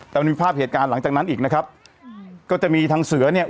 แต่มันมีภาพเหตุการณ์หลังจากนั้นอีกนะครับก็จะมีทางเสือเนี่ย